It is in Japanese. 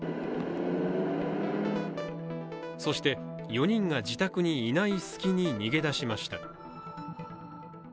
そして、４人が自宅にいない隙に逃げ出しました。